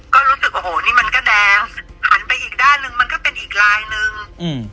ก็รู้สึกโอ้โหนี่มันก็แดงหันไปอีกด้านหนึ่งมันก็เป็นอีกลายหนึ่งอืม